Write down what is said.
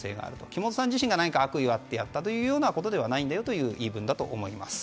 木本さん自身が悪意があってやったということではないんだよという言い分だと思います。